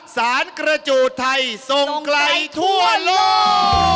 สารกระจูดไทยทรงไกลทั่วโลก